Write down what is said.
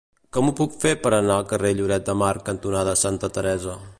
Com ho puc fer per anar al carrer Lloret de Mar cantonada Santa Teresa?